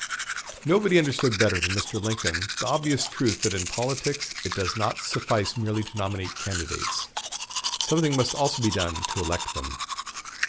Nobody understood better than Mr. Lincoln the obvious truth that in politics it does not suffice merely to nominate candidates. Something must also be done to elect them.